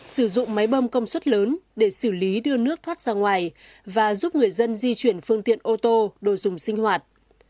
sử dụng máy bơm công suất lớn để xử lý đưa nước thoát ra ngoài và giúp người dân di chuyển phương tiện ô tô đồ dùng sinh hoạt